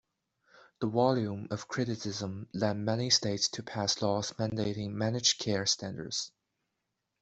The volume of criticism led many states to pass laws mandating managed-care standards.